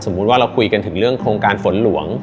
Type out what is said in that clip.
ว่าเราคุยกันถึงเรื่องโครงการฝนหลวง